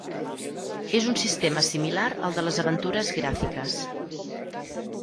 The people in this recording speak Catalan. És un sistema similar al de les aventures gràfiques.